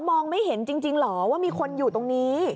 มองไม่เห็นจริงเหรอว่ามีคนอยู่ตรงนี้